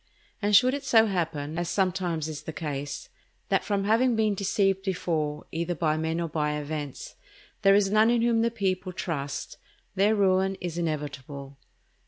And should it so happen, as sometimes is the case, that from having been deceived before, either by men or by events, there is none in whom the people trust, their ruin is inevitable.